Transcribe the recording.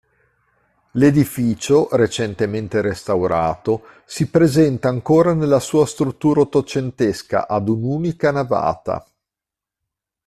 L'edificio, recentemente restaurato, si presenta ancora nella sua struttura ottocentesca ad un'unica navata.